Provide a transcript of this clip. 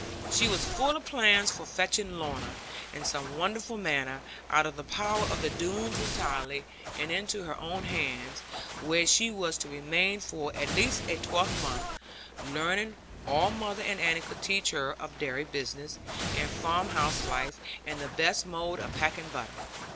She was full of plans for fetching Lorna, in some wonderful manner, out of the power of the Doones entirely, and into her own hands, where she was to remain for at least a twelve month, learning all mother and Annie could teach her of dairy business, and farm house life, and the best mode of packing butter.